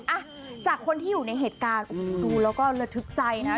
อ่ะจากคนที่อยู่ในเหตุการณ์โอ้โหดูแล้วก็ระทึกใจนะ